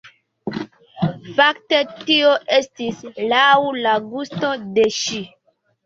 Fakte tio estis laŭ la gusto de ŝi.